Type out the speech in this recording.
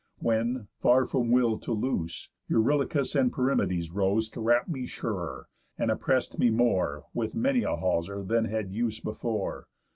When, far from will to loose, Eurylochus and Perimedes rose To wrap me surer, and oppress'd me more With many a halser than had use before.